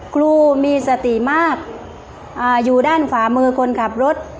ครูมีสติมากอยู่ด้านฝ่ามือคนขับรถ